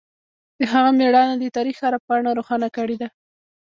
د افغان میړانه د تاریخ هره پاڼه روښانه کړې ده.